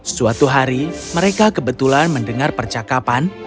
suatu hari mereka kebetulan mendengar percakapan